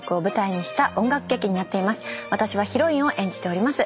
私はヒロインを演じております。